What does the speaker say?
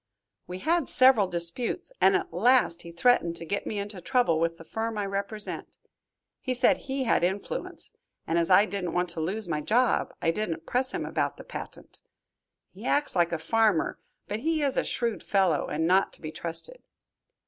We had several disputes, and at last he threatened to get me into trouble with the firm I represent. He said he had influence, and as I didn't want to lose my job, I didn't press him about the patent. He acts like a farmer, but he is a shrewd fellow, and not to be trusted."